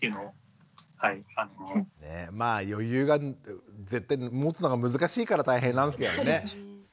まあ余裕が絶対持つのが難しいから大変なんですけどね。